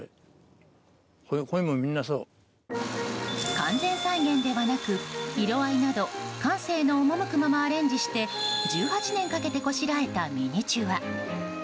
完全再現ではなく色合いなど感性の赴くままアレンジして１８年かけてこしらえたミニチュア。